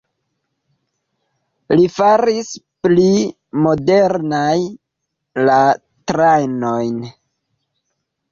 Li faris pli modernaj la trajnojn.